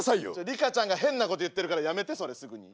リカちゃんが変なこと言ってるからやめてそれすぐに。